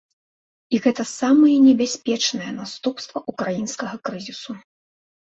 І гэта самае небяспечнае наступства ўкраінскага крызісу.